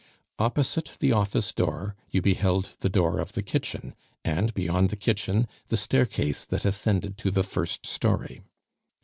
Opposite the office door you beheld the door of the kitchen, and, beyond the kitchen, the staircase that ascended to the first story.